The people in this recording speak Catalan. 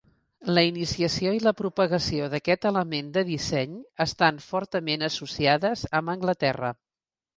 La iniciació i la propagació d'aquest element de disseny estan fortament associades amb Anglaterra.